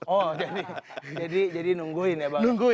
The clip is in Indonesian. oh jadi nungguin ya bang